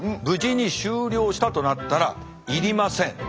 無事に終了したとなったらいりません